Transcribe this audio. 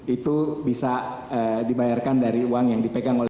itu bisa dibayarkan dari uang yang dipegang oleh